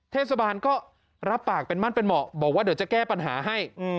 เทศบาลก็รับปากเป็นมั่นเป็นเหมาะบอกว่าเดี๋ยวจะแก้ปัญหาให้